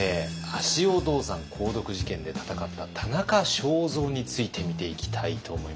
足尾銅山鉱毒事件で闘った田中正造について見ていきたいと思います。